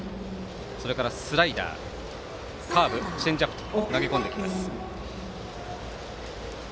それからスライダー、カーブチェンジアップと投げ込んできます。